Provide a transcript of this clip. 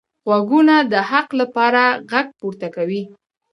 غوږونه د حق لپاره غږ پورته کوي